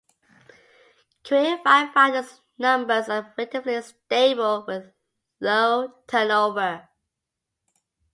Career firefighters numbers are relatively stable with low turnover.